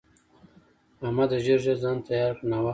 احمده! ژر ژر ځان تيار کړه؛ ناوخته دی.